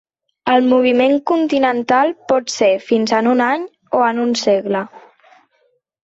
El moviment continental pot ser fins a en un any, o en un segle.